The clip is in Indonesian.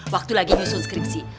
waktu lagi nyusun skripsi